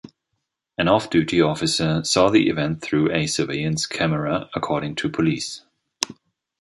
An off-duty officer saw the event through a surveillance camera, according to police.